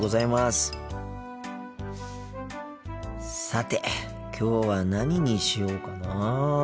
さてきょうは何にしようかな。